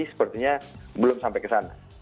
sepertinya belum sampai ke sana